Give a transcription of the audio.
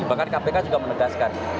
bahkan kpk juga menegaskan